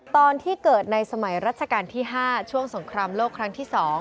ตอนที่เกิดในสมัยรัชกาลที่๕ช่วงสงครามโลกครั้งที่๒